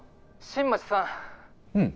☎新町さん